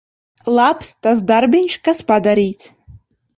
Labs tas darbiņš, kas padarīts.